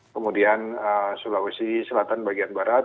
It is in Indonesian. kemudian sulawesi selatan bagian barat